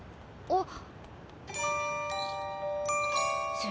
あっ！